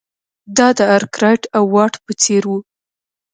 دا د ارکرایټ او واټ په څېر وو.